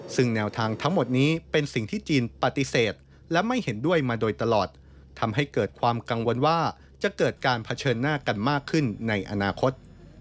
ซึ่งแนวทางทั้งหมดนี้เป็นสิ่งที่จีนปฏิเสธและไม่เห็นด้วยมาโดยตลอดทำให้เกิดความกังวลว่าจะเกิดการเผชิญหน้ากันมากขึ้นในอนาคต